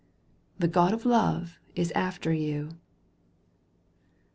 The God of Love is after you